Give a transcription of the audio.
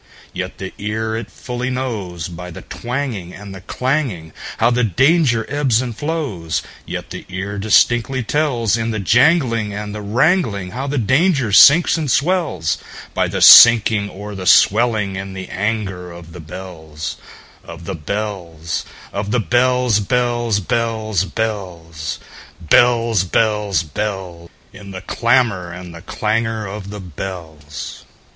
Yet the ear it fully knows, By the twangingAnd the clanging, How the danger ebbs and flows; Yet the ear distinctly tells, In the janglingAnd the wrangling, How the danger sinks and swells,—By the sinking or the swelling in the anger of the bells, Of the bells, Of the bells, bells, bells, bells, Bells, bells, bells—In the clamor and the clangor of the bells!